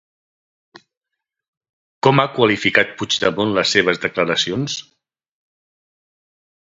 Com ha qualificat Puigdemont les seves declaracions?